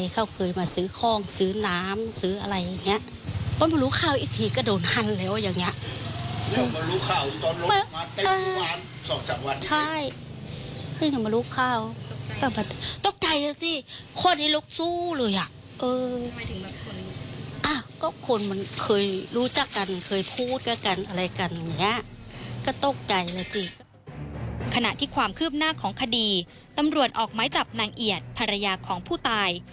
ขณะที่ความคืบหน้าของคดีตำรวจออกไม้จับนางเอียดภรรยาของผู้ตาย